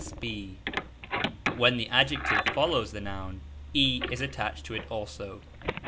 But when the adjective follows the noun (j is attached to it also.